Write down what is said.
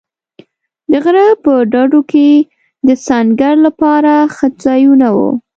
د غره په ډډو کې د سنګر لپاره ښه ځایونه و.